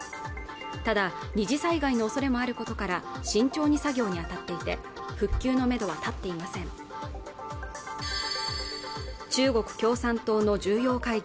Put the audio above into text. ただ２次災害の恐れもあることから慎重に作業に当たっていて復旧のめどは立っていません中国共産党の重要会議